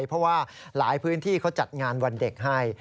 เพราะว่าหลายพื้นที่เขาจัดงานวันเด็กให้